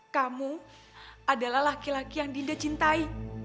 kamu adalah laki laki yang dinda cintai